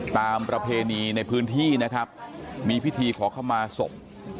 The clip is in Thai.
ประเพณีในพื้นที่นะครับมีพิธีขอขมาศพ